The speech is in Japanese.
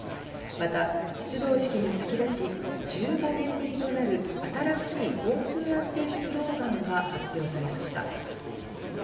また、出動式に先立ち、１５年ぶりとなる新しい交通安全スローガンが発表されました。